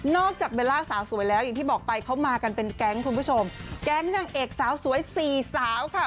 จากเบลล่าสาวสวยแล้วอย่างที่บอกไปเขามากันเป็นแก๊งคุณผู้ชมแก๊งนางเอกสาวสวยสี่สาวค่ะ